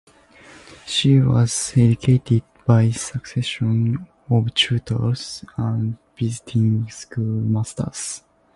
She was educated by a succession of tutors and visiting schoolmasters.